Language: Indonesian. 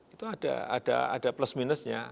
itu ada plus minusnya